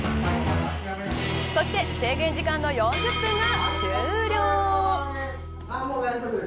そして制限時間の４０分が終了。